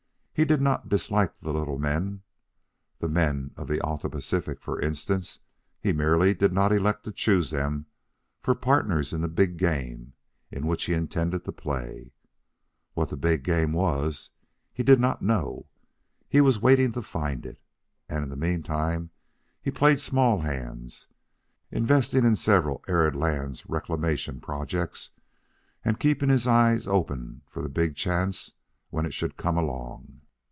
He did not dislike the little men, the men of the Alta Pacific, for instance. He merely did not elect to choose them for partners in the big game in which he intended to play. What that big game was, even he did not know. He was waiting to find it. And in the meantime he played small hands, investing in several arid lands reclamation projects and keeping his eyes open for the big chance when it should come along.